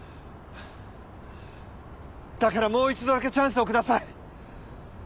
だからもう一度だけチャンスをください。